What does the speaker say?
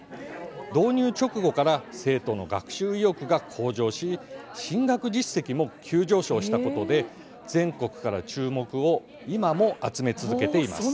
導入直後から生徒の学習意欲が向上し進学実績も急上昇したことで全国から注目を今も集め続けています。